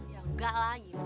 ya enggak lagi pak